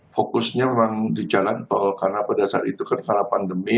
fokusnya memang di jalan tol karena pada saat itu kan karena pandemi